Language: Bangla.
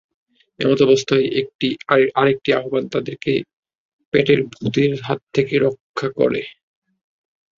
এমতাবস্থায় আরেকটি আহ্বান তাদেরকে পেটের ভূতের হাত থেকে রক্ষা করে।